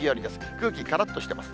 空気、からっとしています。